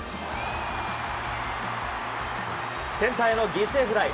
センターへの犠牲フライ。